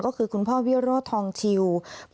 ก็คือคุณพ่อวิโรธทองชิว